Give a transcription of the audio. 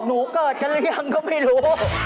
หนูเกิดกันหรือยังก็ไม่รู้